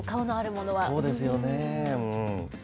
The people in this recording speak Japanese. そうですよね。